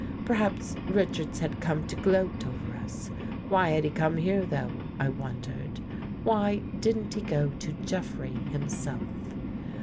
Per haps Richards had come to gloat over us. Why had he come here though, I wondered? Why didn't he go to Jeffrey himself?